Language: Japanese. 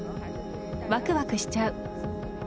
わくわくしちゃう。